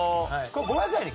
ごめんなさいね。